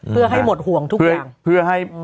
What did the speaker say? เพื่อให้หมดห่วงทุกอย่าง